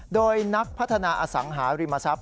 โดยนักพัฒนาอสังหาริมทรัพย